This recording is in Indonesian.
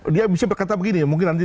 dia bisa berkata begini mungkin nanti